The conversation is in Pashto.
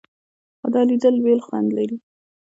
خو دا لیدل بېل خوند لري.